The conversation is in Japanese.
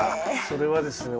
それはですね